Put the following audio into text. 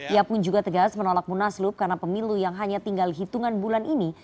ia pun juga tegas menolak munaslup karena pemilu yang hanya tinggal hitungan bulan ini